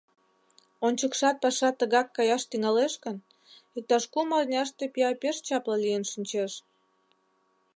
Ончыкшат паша тыгак каяш тӱҥалеш гын, иктаж кум арняште пӱя пеш чапле лийын шинчеш.